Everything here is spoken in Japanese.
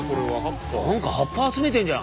何か葉っぱ集めてんじゃん。